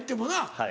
はい。